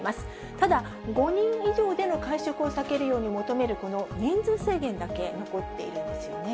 ただ、５人以上での会食を避けるように求めるこの人数制限だけ残っているんですよね。